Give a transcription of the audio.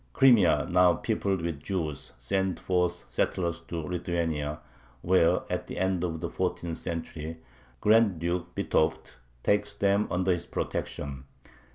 Crimea, now peopled with Jews, sends forth settlers to Lithuania, where, at the end of the fourteenth century, Grand Duke Vitovt takes them under his protection.